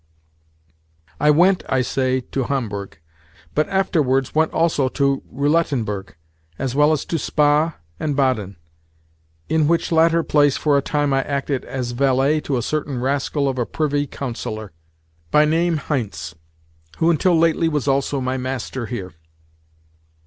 I went, I say, to Homburg, but afterwards went also to Roulettenberg, as well as to Spa and Baden; in which latter place, for a time, I acted as valet to a certain rascal of a Privy Councillor, by name Heintze, who until lately was also my master here.